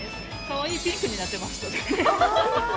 かわいいピンクになっていました。